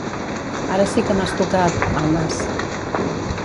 Ara sí que m'has tocat... el nas.